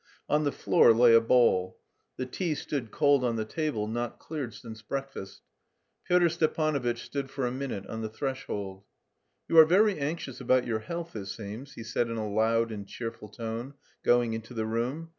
On the floor lay a ball. The tea stood cold on the table, not cleared since breakfast. Pyotr Stepanovitch stood for a minute on the threshold. "You are very anxious about your health, it seems," he said in a loud and cheerful tone, going into the room.